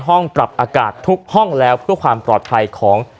ปรับอากาศทุกห้องแล้วเพื่อความปลอดภัยของ